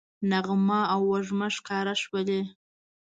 نغمه او وږمه ښکاره شولې